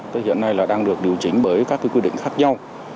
thế hiện nay là đang được điều chỉnh bởi các cái quy định khác nhau